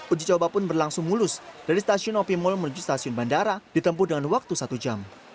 uji coba pun berlangsung mulus dari stasiun opmol menuju stasiun bandara ditempuh dengan waktu satu jam